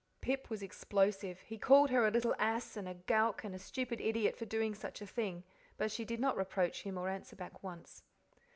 Pip was explosive. He called her a little ass and a gowk and a stupid idiot for doing such a thing, and she did not reproach him or answer back once.